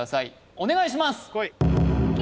お願いします